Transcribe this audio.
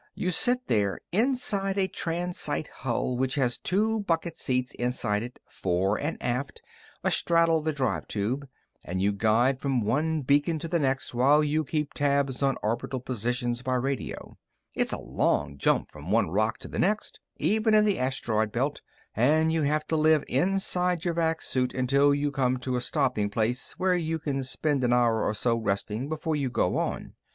You sit there inside a transite hull, which has two bucket seats inside it, fore and aft, astraddle the drive tube, and you guide from one beacon to the next while you keep tabs on orbital positions by radio. It's a long jump from one rock to the next, even in the asteroid belt, and you have to live inside your vac suit until you come to a stopping place where you can spend an hour or so resting before you go on.